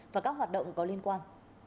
và các hoạt động có liên quan